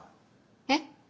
えっ？